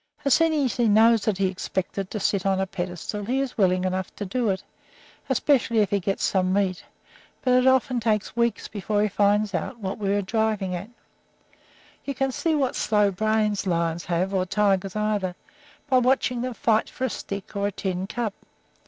As soon as he knows that he is expected to sit on a pedestal he is willing enough to do it, especially if he gets some meat; but it often takes weeks before he finds out what we are driving at. You can see what slow brains lions have, or tigers either, by watching them fight for a stick or a tin cup.